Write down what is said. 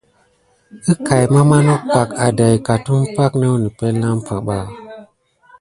Əkay mama nok bak adaika tumpay ke naku nipenle na umpay ba.